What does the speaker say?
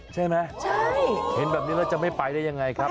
ใช่ไหมเห็นแบบนี้แล้วจะไม่ไปได้ยังไงครับ